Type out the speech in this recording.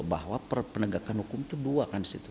bahwa penegakan hukum itu dua kan di situ